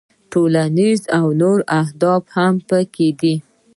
ټولنیز او نور اهداف هم پکې دي.